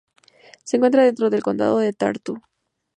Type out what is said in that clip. Se encuentra dentro del condado de Tartu.